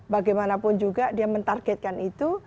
bagaimanapun juga dia mentargetkan itu